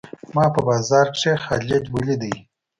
ما په بازار کښي خالد وليدئ.